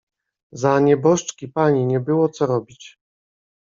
"Za nieboszczki pani, nie było co robić."